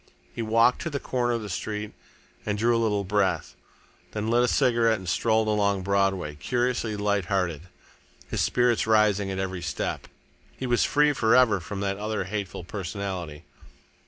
He walked to the corner of the street and drew a little breath. Then he lit a cigarette and strolled along Broadway, curiously light hearted, his spirits rising at every step. He was free for ever from that other hateful personality.